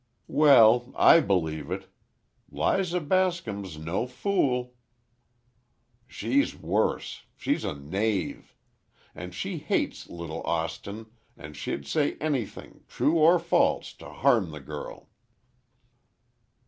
"Well, I believe it. Liza Bascom's no fool—" "She's worse, she's a knave! And she hates little Austin, and she'd say anything, true or false, to harm the girl."